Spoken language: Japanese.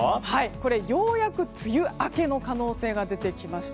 これ、ようやく梅雨明けの可能性が出てきました。